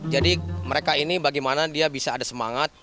jadi mereka ini bagaimana dia bisa ada semangat